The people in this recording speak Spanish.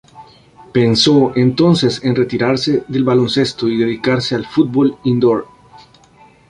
Pensó entonces en retirarse del baloncesto y dedicarse al futbol indoor.